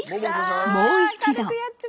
もう一度。